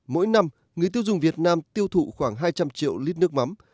mỗi năm người tiêu dùng việt nam tiêu thụ khoảng hai trăm linh triệu lít nước mắm